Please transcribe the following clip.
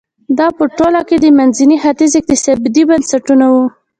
دا په ټوله کې د منځني ختیځ اقتصادي بنسټونه وو.